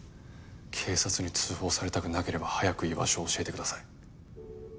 警察に通報されたくなければ早く居場所を教えてください。